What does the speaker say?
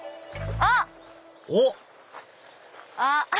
あっ。